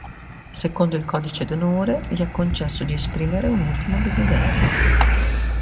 Secondo il codice d'onore, gli è concesso di esprimere un ultimo desiderio.